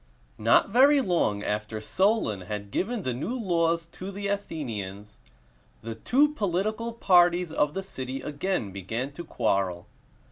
Not very long after Solon had given the new laws to the Athenians, the two political parties of the city again began to quarrel.